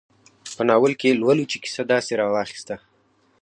په ناول کې لولو چې کیسه داسې راواخیسته.